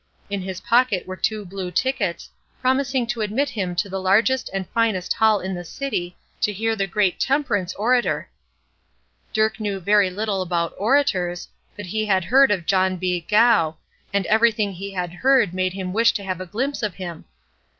In his pocket were two blue tickets, promising to admit him to the largest and finest hall in the city to hear the great temperance orator. Dirk knew very little about orators, but he had heard of John B. Gough, and everything he had heard made him wish to have a glimpse of him.